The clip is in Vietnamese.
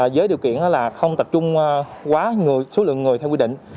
với điều kiện là không tập trung quá số lượng người theo quy định